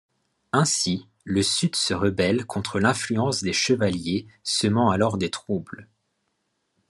Ainsi, le Sud se rebelle contre l'influence des chevaliers semant alors des troubles...